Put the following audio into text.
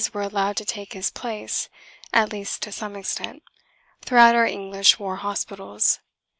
's" were allowed to take his place (at least to some extent) throughout our English war hospitals.